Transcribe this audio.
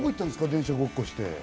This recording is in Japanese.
電車ごっこして。